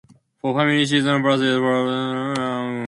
For family season passes a proof of family relationship is required.